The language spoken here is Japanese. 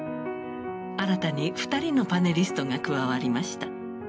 新たに２人のパネリストが加わりました。